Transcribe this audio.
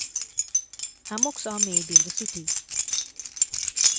Hammocks are made in the city.